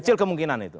kecil kemungkinan itu